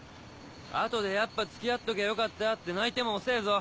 後でやっぱ付き合っときゃよかったって泣いても遅ぇぞ。